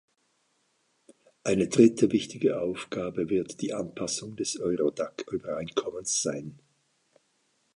Eine dritte wichtige Aufgabe wird die Anpassung des Eurodac-Übereinkommens sein.